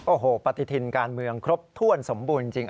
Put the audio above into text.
โอ้โหปฏิทินการเมืองครบถ้วนสมบูรณ์จริง